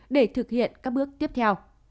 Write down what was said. để thực hiện các bước tiếp theo